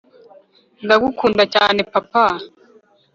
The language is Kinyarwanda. ndagukunda cyane, papa.